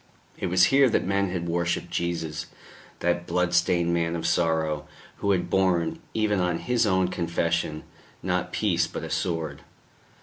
It was here that men had worshipped Jesus, that blood stained Man of Sorrow, who had borne, even on His own confession, not peace but a sword.